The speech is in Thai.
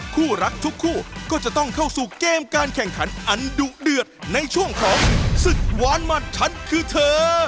คู่รักทุกคู่ก็จะต้องเข้าสู่เกมการแข่งขันอันดุเดือดในช่วงของศึกหวานมันฉันคือเธอ